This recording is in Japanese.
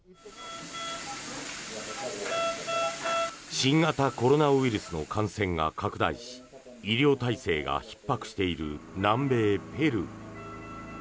新型コロナウイルスの感染が拡大し医療体制がひっ迫している南米ペルー。